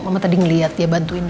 mama tadi ngeliat dia bantuin